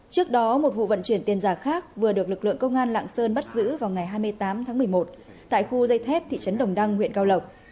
trước đó một vụ vận chuyển tiền giả khác vừa được lực lượng công an lạng sơn bắt giữ vào ngày hai mươi tám tháng một mươi một tại khu dây thép thị trấn đồng đăng huyện cao lộc